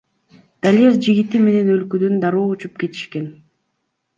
Далер жигити менен өлкөдөн дароо учуп кетишкен.